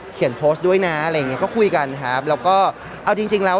โพสต์ด้วยนะอะไรอย่างเงี้ก็คุยกันครับแล้วก็เอาจริงจริงแล้ว